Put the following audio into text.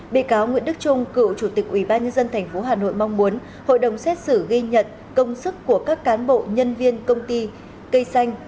bị cáo nguyễn đức trung cựu chủ tịch ubnd tp hà nội mong muốn hội đồng xét xử ghi nhận công sức của các cán bộ nhân viên công ty cây xanh